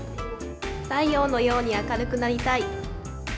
「太陽のように明るくなりたい」。